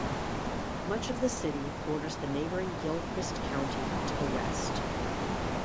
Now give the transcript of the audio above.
Much of the city borders the neighboring Gilchrist County to the west.